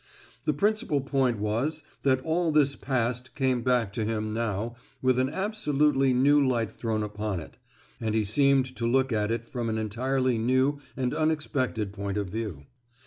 The principal point was that all this past came back to him now with an absolutely new light thrown upon it, and he seemed to look at it from an entirely new and unexpected point of view.